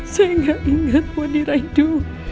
saya gak ingat wadirah itu